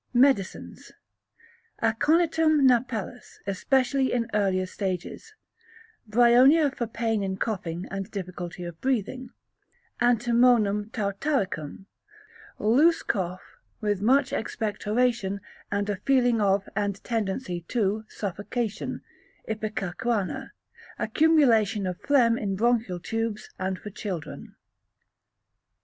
Medicines. Aconitum napellus, especially in earlier stages; Bryonia for pain in coughing and difficulty of breathing; Antimonium tartaricum, loose cough with much expectoration and a feeling of, and tendency to, suffocation; Ipecacuanha, accumulation of phlegm in bronchial tubes and for children.